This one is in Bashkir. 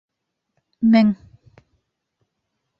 Мең